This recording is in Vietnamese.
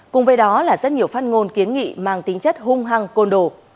cùng với đó là rất nhiều phát ngôn kiến nghị mang tính chất hung hăng côn đồ